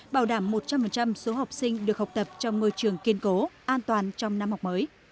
bảo đảm một trăm linh số học sinh được học tập trong môi trường kiên cố an toàn trong năm học mới